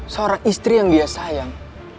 seorang istri yang dia sayang